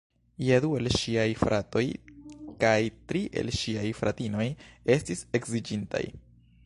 Jam du el ŝiaj fratoj kaj tri el ŝiaj fratinoj estis edziĝintaj.